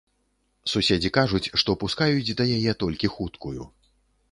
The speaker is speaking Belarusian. Суседзі кажуць, што пускаюць да яе толькі хуткую.